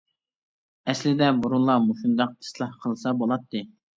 ئەسلىدە بۇرۇنلا مۇشۇنداق ئىسلاھ قىلسا بۇلاتتى.